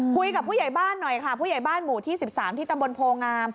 ผู้ใหญ่บ้านหน่อยค่ะผู้ใหญ่บ้านหมู่ที่๑๓ที่ตำบลโพงาม